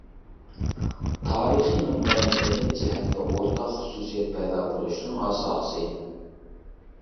تارىخىي مەنبە مەدەنىيەت جەھەتتە ئورتاق خۇسۇسىيەت پەيدا بولۇشنىڭ ئاساسى.